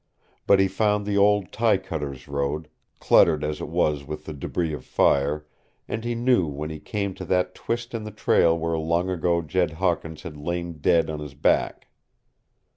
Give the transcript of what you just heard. But he found the old tie cutters' road, cluttered as it was with the debris of fire, and he knew when he came to that twist in the trail where long ago Jed Hawkins had lain dead on his back.